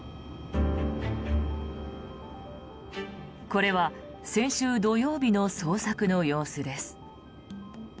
これは先週土曜日の捜索の様子です。